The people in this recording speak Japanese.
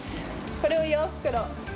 これを４袋。